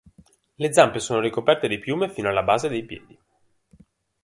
Le zampe sono ricoperte di piume fino alla base dei piedi.